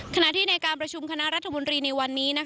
ขณะที่ในการประชุมคณะรัฐมนตรีในวันนี้